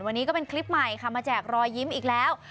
วันนี้ก็เป็นคลิปใหม่ค่ะมาแจกรอยยิ้มอีกแล้ว